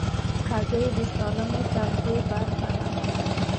هګۍ د سالمې تغذیې برخه ده.